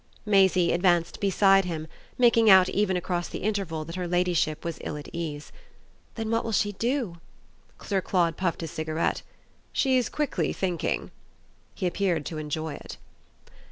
Maisie advanced beside him, making out even across the interval that her ladyship was ill at ease. "Then what will she do?" Sir Claude puffed his cigarette. "She's quickly thinking." He appeared to enjoy it.